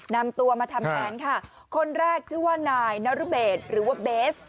นำตัวมาทำแผนค่ะคนแรกชื่อว่านายนรเบศหรือว่าเบส